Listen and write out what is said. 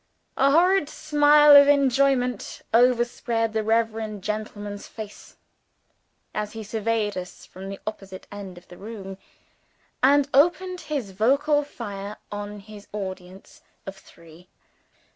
A horrid smile of enjoyment overspread the reverend gentleman's face, as he surveyed us from the opposite end of the room, and opened his vocal fire on his audience of three.